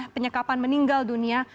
penyekapan meninggal dunia